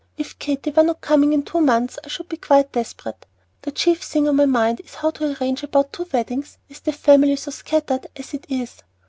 If Katy were not coming in two months I should be quite desperate. The chief thing on my mind is how to arrange about the two weddings with the family so scattered as it is."